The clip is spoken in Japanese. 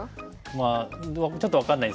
まあちょっと分かんないですけど。